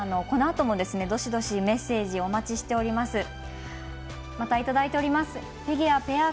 このあとも、どしどしメッセージお待ちしております。